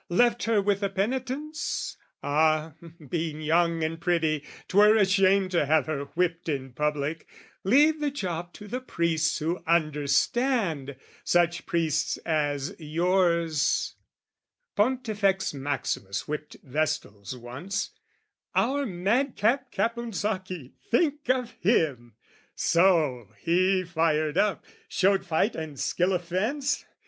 Left her with the Penitents? "Ah, being young and pretty, 'twere a shame "To have her whipped in public: leave the job "To the priests who understand! Such priests as yours "(Pontifex Maximus whipped Vestals once) "Our madcap Caponsacchi: think of him! "So, he fired up, showed fight and skill of fence?